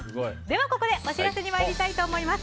ここでお知らせに参りたいと思います。